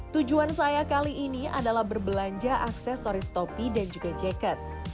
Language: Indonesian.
tujuan saya kali ini adalah berbelanja aksesoris topi dan juga jaket